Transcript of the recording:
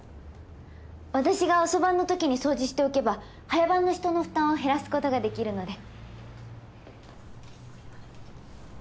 私が遅番のときに掃除しておけば早番の人の負担を減らすことができるので。